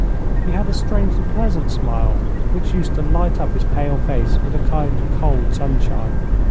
He had a strangely pleasant smile, which used to light up his pale face with a kind of cold sunshine.